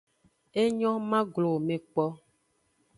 Enyo, ma glo wo me kpo.